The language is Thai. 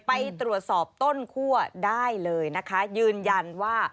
ไปตรวจสอบต้นคั่วได้เลยนะคะ